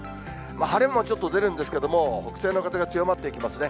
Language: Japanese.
晴れ間もちょっと出るんですけども、北西の風が強まってきますね。